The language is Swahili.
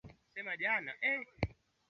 baraza kubwa kwangu mimi